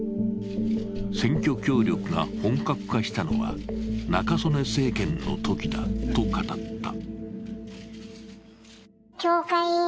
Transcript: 選挙協力が本格化したのは中曽根政権のときだと語った。